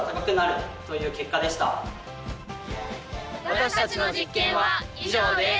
私たちの実験は以上です！